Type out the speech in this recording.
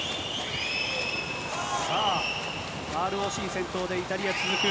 さあ、ＲＯＣ先頭でイタリア続く。